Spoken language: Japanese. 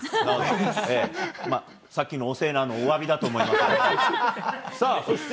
ええ、さっきのおせぇなのおわびだと思います。